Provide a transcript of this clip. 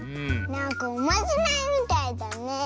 なんかおまじないみたいだね。